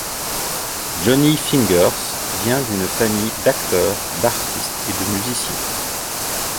Johnnie Fingers vient d'une famille d'acteurs, d'artistes et de musiciens.